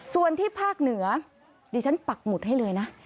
ส่วนที่ภาคเหนือดิฉันปักหมุดให้เลยนะ